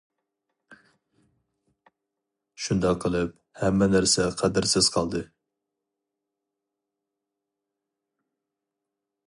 شۇنداق قىلىپ، ھەممە نەرسە قەدىرسىز قالدى.